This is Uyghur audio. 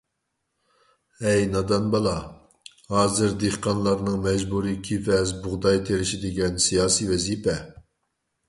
ھەي نادان بالا، ھازىر دېھقانلارنىڭ مەجبۇرىي كېۋەز، بۇغداي تېرىشى دېگەن سىياسىي ۋەزىپە.